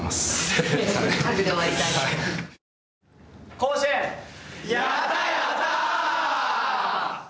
甲子園、やったやった！